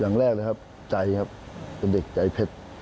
อย่างแรกเลยครับใจครับเป็นเด็กใจเพชร